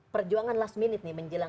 perjuangan last minute nih menjelang